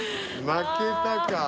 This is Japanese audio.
負けたか。